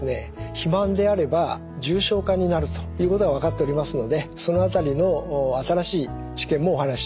肥満であれば重症化になるということが分かっておりますのでその辺りの新しい知見もお話ししたいと思っております。